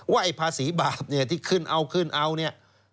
ว่าไอ้ภาษีบาปเนี่ยที่ขึ้นเอาเนี่ย